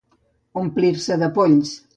Omplir-se de polls.